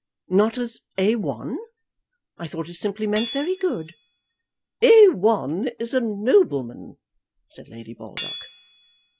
"Not as A 1? I thought it simply meant very good." "A 1 is a nobleman," said Lady Baldock.